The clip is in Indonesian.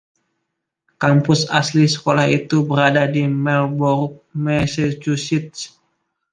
Kampus asli sekolah itu berada di Marlborough, Massachusetts.